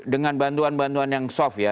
dengan bantuan bantuan yang soft ya